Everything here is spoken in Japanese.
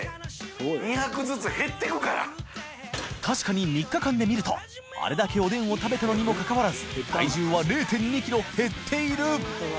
祿里３日間で見ると△譴世おでんを食べたのにもかかわらず僚鼎０．２ｋｇ減っている！